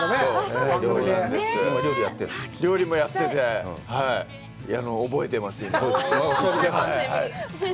ふれん料理もやってて、覚えてますよ。